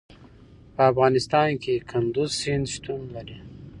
په افغانستان کې کندز سیند شتون لري.